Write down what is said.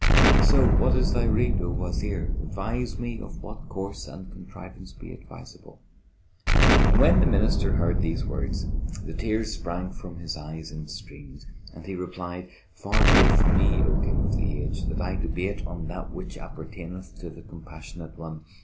So what is thy rede, O Wazir? Advise me of what course and contrivance be advisable!" When the Minister heard these words, the tears sprang from his eyes in streams, and he replied, "Far be it from me, O King of the Age, that I debate on that which appertaineth to the Compassionate One!